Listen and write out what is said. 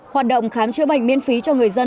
hoạt động khám chữa bệnh miễn phí cho người dân